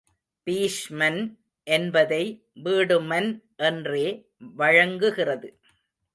பீஷ்மன் என்பதை வீடுமன் என்றே வழங்குகிறது.